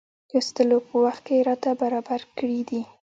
د اوسېدلو په وخت کې راته برابر کړي دي.